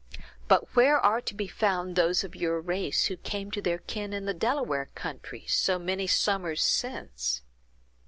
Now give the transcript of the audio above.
But where are to be found those of your race who came to their kin in the Delaware country, so many summers since?"